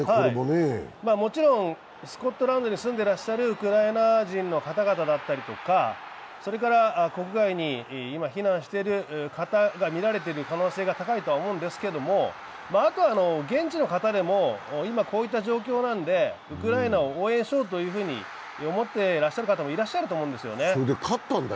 もちろんスコットランドに住んでらっしゃるウクライナ人の方だったりとか、それから国外に今、避難している方が見られている可能性が高いとは思うんですけど、あとは現地の方でも、今こういった状況なので、ウクライナを応援しようと思っていらっしゃる方もいらっしゃると思うんですよね。